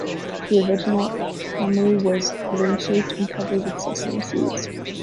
The original kumru was ring-shaped and covered with sesame seeds.